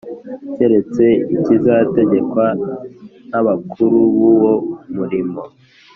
Keretse ikizategekwa n abakuru b uwo murimo